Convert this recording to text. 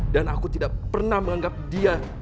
dan aku tidak pernah menganggap dia